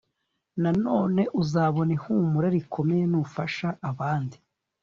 Nanone uzabona ihumure rikomeye nufasha abandi